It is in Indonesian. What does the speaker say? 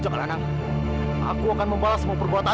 aku akan membalas semua perbuatan